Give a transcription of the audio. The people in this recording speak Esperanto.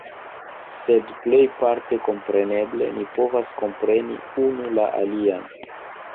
Sed plejparte kompreneble ni povas kompreni unu la alian.